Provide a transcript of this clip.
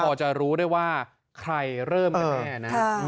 มันพอจะรู้ได้ว่าใครเริ่มแน่นะ